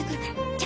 じゃ。